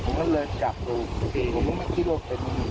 ผมเองไม่คิดว่าผมเป็นอีก